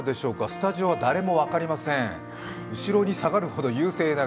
スタジオは誰も分かりません。